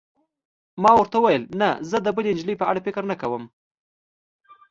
ما ورته وویل: نه، زه د بلې نجلۍ په اړه فکر نه کوم.